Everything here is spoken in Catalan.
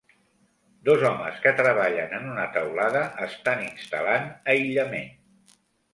Dos homes que treballen en una teulada estan instal·lant aïllament.